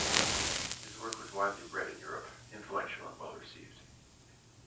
His work was widely read in Europe, influential and well received.